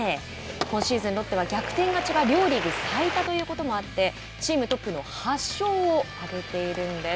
今シーズン、ロッテは逆転勝ちが両リーグ最多ということもあってチームトップの８勝を挙げているんです。